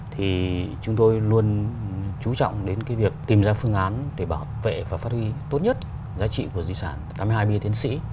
thì chúng tôi luôn chú trọng đến cái việc tìm ra phương án để bảo vệ và phát huy tốt nhất giá trị của di sản tám mươi hai bia tiến sĩ